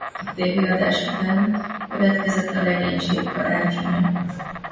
A tévéadás után következett a legénység karácsonya.